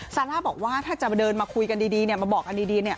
ซาร่าบอกว่าถ้าจะเดินมาคุยกันดีมาบอกกันดี